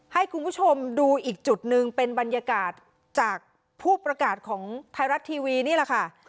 ให้คุณผู้ชมดูอีกจุดหนึ่งเป็นบรรยากาศจากผู้ประกาศของไทยรัฐทีวีนี่แหละค่ะ